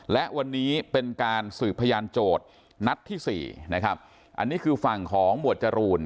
และวันนี้เป็นการสืบพยานโจทย์นัดที่สี่นะครับอันนี้คือฝั่งของหมวดจรูน